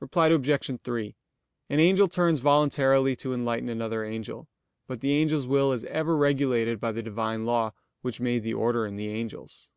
Reply Obj. 3: An angel turns voluntarily to enlighten another angel, but the angel's will is ever regulated by the Divine law which made the order in the angels.